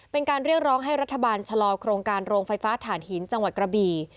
เป็นการเรียกร้องให้รัฐบาลชะลอโครงการโรงไฟฟ้าฐานหินจังหวัดกระบี่